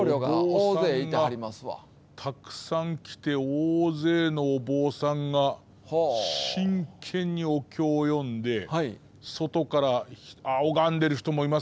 お坊さんがたくさん来て大勢のお坊さんが真剣にお経を読んで外からああ拝んでる人もいますね。